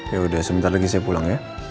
ya udah sebentar lagi saya pulang ya